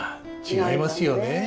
違いますね。